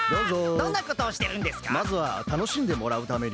どんなことをしてるんですか？